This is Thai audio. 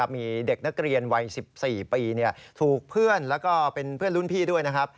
มีเด็กนักเรียนวัย๑๔ปีถูกเพื่อนแล้วก็เป็นเพื่อนรุ่นพี่ด้วยนะครับ